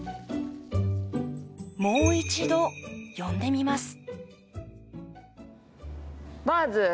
もう一度呼んでみます